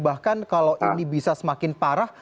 bahkan kalau ini bisa semakin parah